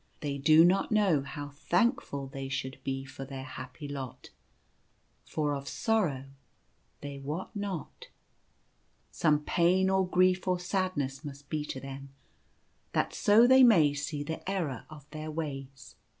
They do not know how thankful they should be for their happy lot, for of sorrow they wot not. Some pain or grief or sadness must be to them, that so they may see the error of their ways."